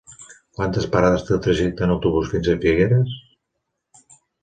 Quantes parades té el trajecte en autobús fins a Figueres?